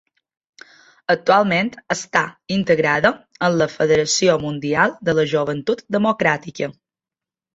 Actualment està integrada en la Federació Mundial de la Joventut Democràtica.